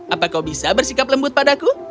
apa kau bisa bersikap lembut padaku